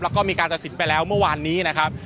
แล้วก็มีการตัดสินไปแล้วเมื่อวานนี้นะครับ